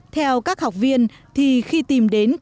theo các học viên thì khi tìm đến câu hỏi